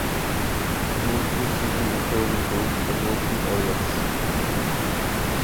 V Edmontonu sídlí hokejový klub Edmonton Oilers.